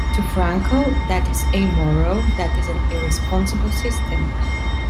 To Frankel, that is amoral, that is an irresponsible system.